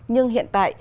nhưng hiện tại